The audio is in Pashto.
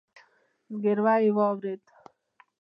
ځګيروی يې واورېد.